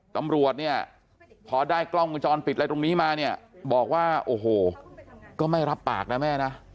ตำรวจเนี่ยพอได้กล้องวงจรปิดอะไรตรงนี้มาเนี่ยบอกว่าโอ้โหก็ไม่รับปากนะแม่นะ